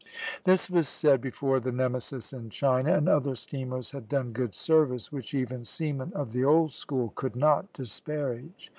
This was said before the Nemesis in China, and other steamers had done good service, which even seamen of the old school could not disparage.